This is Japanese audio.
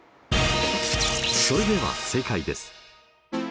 それでは正解です。